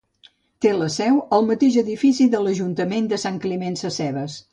Té la seu al mateix edifici de l'Ajuntament de Sant Climent Sescebes.